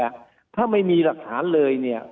ถ้าไม่มีหลักฐานเลยเนี่ย